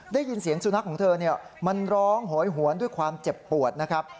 ได้ยินเสียงสุนัขของเธอมันร้องโหยหวนด้วยความเจ็บปวดนะครับ